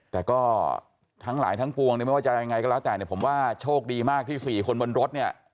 แต่ก็ทั้งหลายทั้งปวงเนี่ยไม่ว่าจะยังไงก็แล้วแต่เนี่ยผมว่าโชคดีมากที่๔คนบนรถเนี่ย